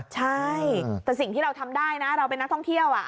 ใช่แต่สิ่งที่เราทำได้นะเราเป็นนักท่องเที่ยว